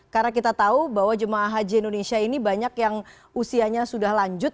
karena kita tahu bahwa jemaah haji indonesia ini banyak yang usianya sudah lanjut